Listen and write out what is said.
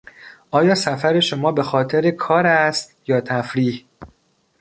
آیا سفر شما به خاطر کار است یا تفریح؟